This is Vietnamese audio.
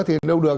thì đâu được